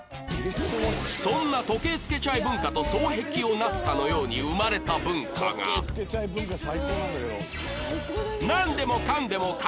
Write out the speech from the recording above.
そんな時計付けちゃえ文化と双璧をなすかのように生まれた文化がハハハハ！